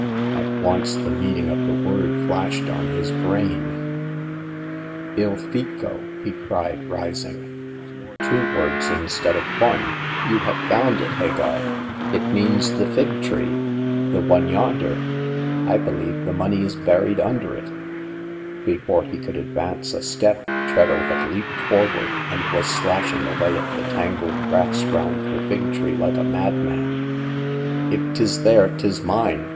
At once the meaning of the word flashed on his brain. "*I1 fico!'" he cried, rising. Two words instead of one ! You have found it^ H^.^^x I It, 58 Hagar of the Pawn Shop. means the fig tree — the one yonder. I believe the money is buried under it/' Before he could advance a step Treadle had leaped forward, and was slashing away at the tangled grass round the fig tree like a madman. If 'tis there, 'tis mine